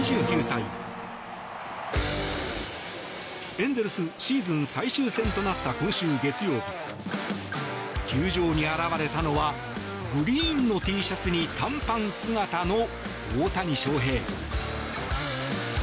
エンゼルスシーズン最終戦となった今週月曜日球場に現れたのはグリーンのＴシャツに短パン姿の大谷翔平。